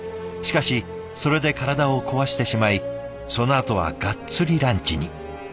しかしそれで体を壊してしまいそのあとはがっつりランチに。